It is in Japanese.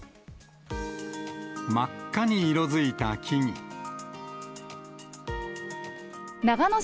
真っ赤に色づいた木々。